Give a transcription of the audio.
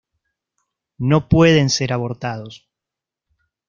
No pueden ser abortados.